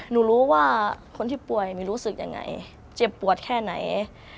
หนูรู้ว่าคนที่ป่วยไม่รู้สึกยังไงเจ็บปวดแค่ไหน